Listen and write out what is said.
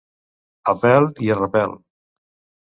A pèl i a repel.